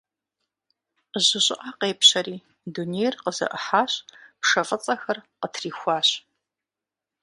Жьы щӀыӀэ къепщэри, дунейр къызэӀыхьащ, пшэ фӀыцӀэхэр къытрихуащ.